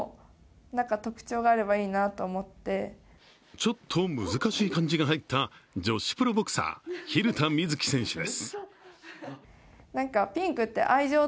ちょっと難しい漢字が入った女子プロボクサー、晝田瑞希選手です。